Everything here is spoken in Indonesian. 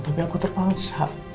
tapi aku terpaksa